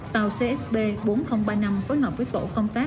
tàu csb bốn nghìn ba mươi năm phối hợp với tổ công tác